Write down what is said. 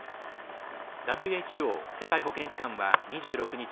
ＷＨＯ＝世界保健機関は２６日